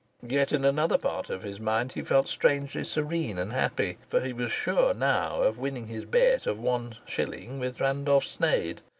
Yet, in another part of his mind, he felt strangely serene and happy, for he was sure now of winning his bet of one shilling with Randolph Sneyd.